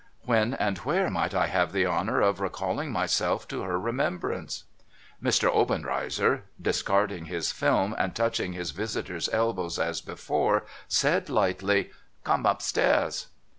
' When, and where, might I have the honour of recalling myself to her remembrance ?' Mr. Obenreizer, discarding his film and touching his visitor's elbows as before, said lightly :' Come up stairs.'